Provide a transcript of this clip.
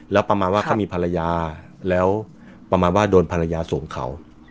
แล้วประมาณว่าเขามีภรรยาแล้วประมาณว่าโดนภรรยาสวมเขา